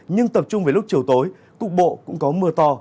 nhưng tập trung về lúc chiều tối cục bộ cũng có mưa to